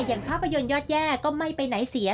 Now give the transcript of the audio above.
อย่างภาพยนตร์ยอดแย่ก็ไม่ไปไหนเสีย